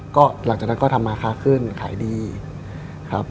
ก็หลังจากนั้นก็ทำมาค้าขึ้นขายดีครับ